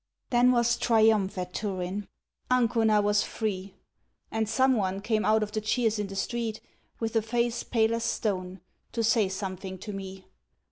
Then was triumph at Turin. "Ancona was free!" And some one came out of the cheers in the street With a face pale as stone, to say something to me.